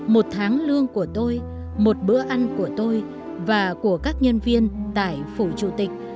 một tháng lương của tôi một bữa ăn của tôi và của các nhân viên tại phủ chủ tịch